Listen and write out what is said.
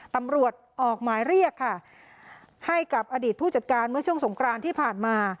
ตำรวจออกหมายเรียกค่ะให้กับอดีตผู้จัดการเมื่อช่วงสงครานที่ผ่านมา